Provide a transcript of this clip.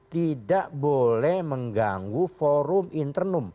tidak boleh mengganggu forum internum